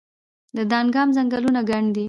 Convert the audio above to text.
دانګام ځنګلونه ګڼ دي؟